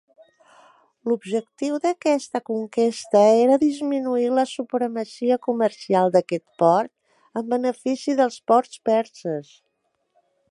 L'objectiu d'aquesta conquesta era disminuir la supremacia comercial d'aquest port en benefici dels ports perses.